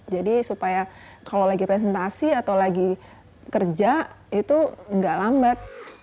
jadi supaya kalau lagi presentasi atau lagi kerja itu nggak lambat